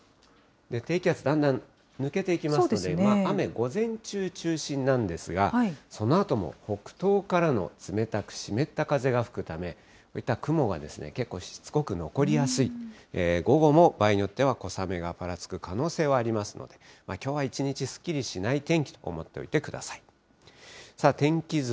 低気圧、だんだん抜けていきますので、雨、午前中中心なんですが、そのあとも北東からの冷たく湿った風が吹くため、こういった雲が結構しつこく残りやすい、午後も場合によっては、小雨がぱらつく可能性がありますので、きょうは一日、すっきりしない天気と思っておいてください。